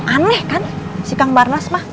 aneh kan si kang barnas mah